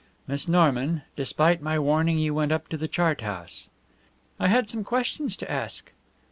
"Miss Norman, despite my warning you went up to the chart house." "I had some questions to ask."